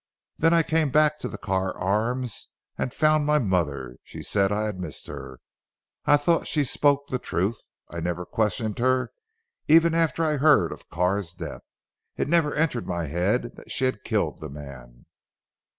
Then I came back to the Carr Arms and found my mother. She said I had missed her. I thought she spoke the truth. I never questioned her even after I heard of Carr's death. It never entered my head that she had killed the man."